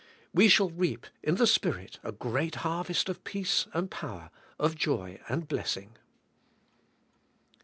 We shall reap in the Spirit a great harvest of peace and pOAver, of joy and blessing.